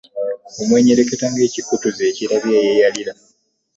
Omwenyereketa ng'ekikutuzi ekirabye eyeeyarira.